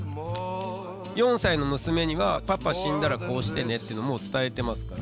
４歳の娘には、パパ、死んだらこうしてねっていうのをもう伝えてますから。